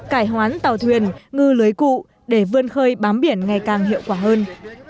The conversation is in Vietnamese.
cải hoán tàu thuyền ngư lưới cụ để vươn khơi bám biển ngày càng hiệu quả hơn